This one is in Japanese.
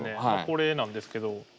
これなんですけど。